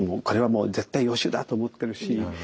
これはもう絶対予習だと思ってるし。